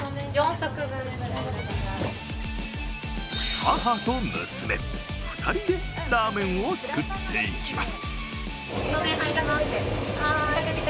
母と娘、２人でラーメンを作っていきます。